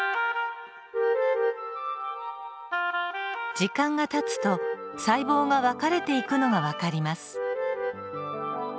時間がたつと細胞が分かれていくのが分かります。